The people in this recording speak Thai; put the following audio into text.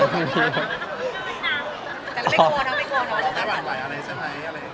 แต่ไม่กลัวนะไม่กลัวนะ